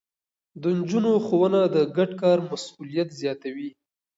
د نجونو ښوونه د ګډ کار مسووليت زياتوي.